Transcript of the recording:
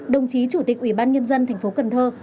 đồng chí chủ tịch ủy ban nhân dân thành phố cần thơ